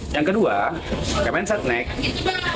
yang kedua kementerian sekretariat negara